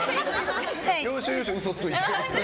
要所要所嘘ついちゃうんですね。